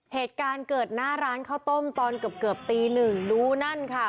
เหตุการณ์เกิดหน้าร้านข้าวต้มตอนเกือบเกือบตีหนึ่งดูนั่นค่ะ